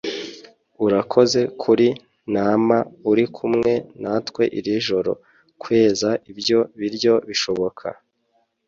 urakoze kuri nama uri kumwe natwe iri joro. kweza ibyo biryo bishoboka